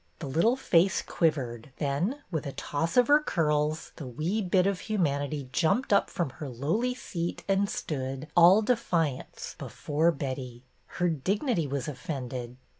The little face quivered, then with a toss of her curls the wee bit of humanity jumped up from her lowly seat and stood, all defiance, before Betty. Her dignity was offended.